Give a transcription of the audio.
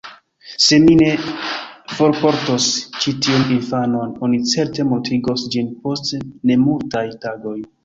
Se mi ne forportos ĉi tiun infanon, oni certe mortigos ĝin post nemultaj tagoj.